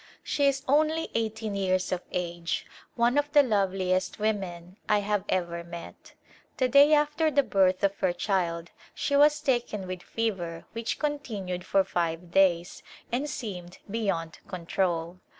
She is only eighteen years of age — one of the loveliest women I have ever met. The day after the birth of her child she was taken with fever which con tinued for five days and seemed beyond control.